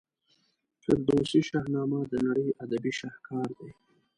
فردوسي شاهنامه د نړۍ ادبي شهکار دی.